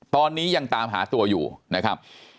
ตอนนี้ยังตามหาตัวอยู่นะครับ